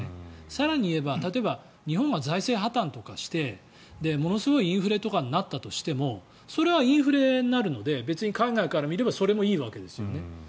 更に言えば、例えば日本が財政破たんとかしてものすごいインフレとかになったとしてもそれはインフレになるので別に海外から見ればそれもいいわけですよね。